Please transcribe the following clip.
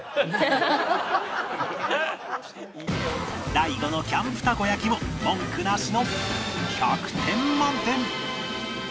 大悟のキャンプたこ焼きも文句なしの１００点満点！